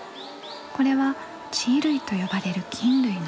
これは地衣類と呼ばれる菌類の仲間。